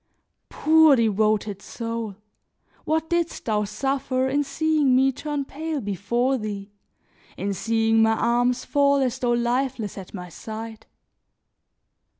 Poor devoted soul! What didst thou suffer in seeing me turn pale before thee, in seeing my arms fall as though lifeless at my side!